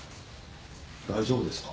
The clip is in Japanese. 大丈夫ですか？